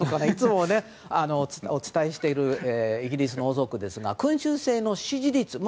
いつもお伝えしているイギリス王室ですが君主制の支持率。